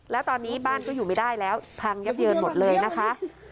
แล้วตอนนี้บ้านก็อยู่ไม่ได้แล้วพังยับเยินหมดเลยนะคะ